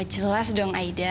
jelas dong aida